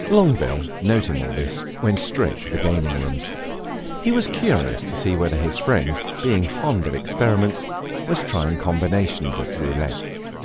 Longueville, noting all this, went straight into the gaming rooms; he was curious to see whether his friend, being fond of experiments, was trying combinations at roulette.